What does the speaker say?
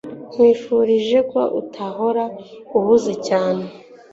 Nkwifurije ko utahora uhuze cyane